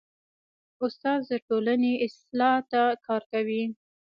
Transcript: استاد د ټولنې اصلاح ته کار کوي.